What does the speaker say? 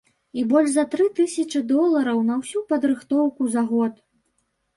І больш за тры тысячы долараў на ўсю падрыхтоўку за год!